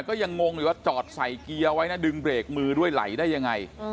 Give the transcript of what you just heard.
ก็ยังงงอยู่ว่าจอดใส่เกียร์ไว้นะดึงเบรกมือด้วยไหลได้ยังไง